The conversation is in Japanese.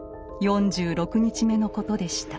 ４６日目のことでした。